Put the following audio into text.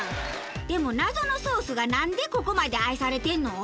でも謎のソースがなんでここまで愛されてんの？